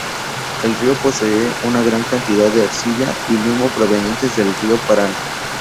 El río posee una gran cantidad de arcilla y limo provenientes del Río Paraná.